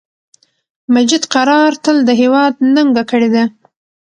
مجید قرار تل د هیواد ننګه کړی ده